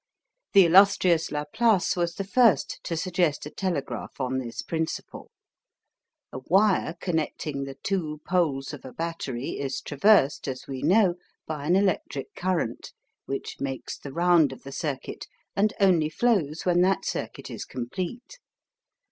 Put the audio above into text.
The illustrious Laplace was the first to suggest a telegraph on this principle. A wire connecting the two poles of a battery is traversed, as we know, by an electric current, which makes the round of the circuit, and only flows when that circuit is complete.